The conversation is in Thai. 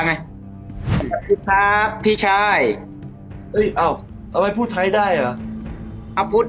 ไงพี่ชายพี่ชายเอ้ยอ้าวเอาไว้พูดไทยได้อ่ะเอาพูด